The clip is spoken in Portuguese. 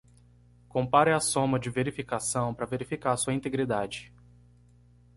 Compare a soma de verificação para verificar sua integridade.